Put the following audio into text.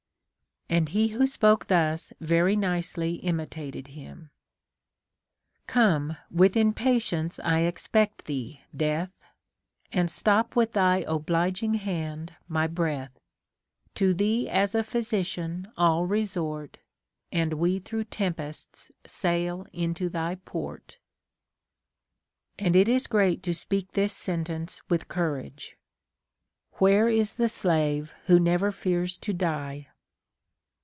And he who spoke thus very nicely imitated him :— Come, witlT impatience I expect thee, Death ; And stop with thy obliging liand my breath : To thee as a physician all resort. And we through tempests sail into thy port. And it is great to speak this sentence wdth courage :— Where is the slave who never fears to die